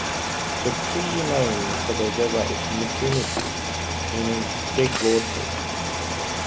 The Cree name for the river is "Missinipi", meaning "big waters".